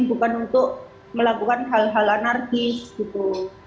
bukan untuk melakukan hal hal anarkis gitu